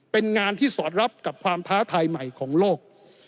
เป็นงานที่สอดรับกับความท้าทายใหม่ของโลก